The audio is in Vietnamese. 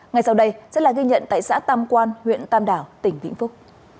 ngay sau đây sẽ là ghi nhận tại xã tam quan huyện tam đảo tỉnh vĩnh phúc